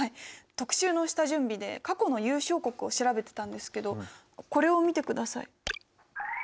特集の下準備で過去の優勝国を調べてたんですけどこれを見てください。